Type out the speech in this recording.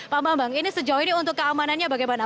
pak bambang ini sejauh ini untuk keamanannya bagaimana